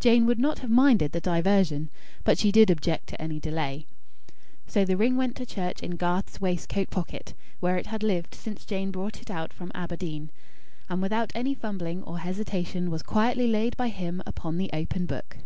Jane would not have minded the diversion, but she did object to any delay. So the ring went to church in Garth's waistcoat pocket, where it had lived since Jane brought it out from Aberdeen; and, without any fumbling or hesitation, was quietly laid by him upon the open book.